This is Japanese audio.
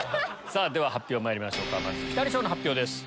では発表まいりましょうかまずピタリ賞の発表です。